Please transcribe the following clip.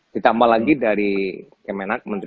ditambah lagi dari kemenang minister